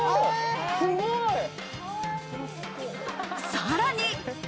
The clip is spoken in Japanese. さらに。